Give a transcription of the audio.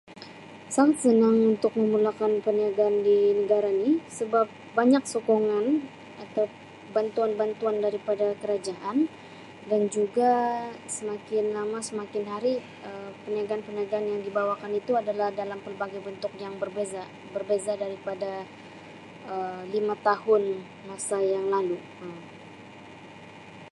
Sangat senang untuk memulakan perniagaan di negara ni sebab banyak sokongan atau bantuan-bantuan daripada kerajaan dan juga semakin lama semakin hari Um perniagaan-perniagaan yang dibawa kan itu adalah dalam pelbagai bentuk yang berbeza berbeza daripada Um lima tahun masa yang lalu Um.